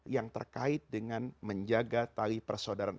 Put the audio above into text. yang terkait dengan menjaga tali persaudaraan